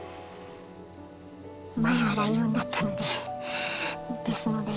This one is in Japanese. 前はライオンだったのでですので。